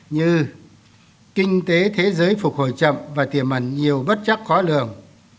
như kinh tế thế giới phục hồi chậm và tiềm ẩn nhiều bất chắc khó lường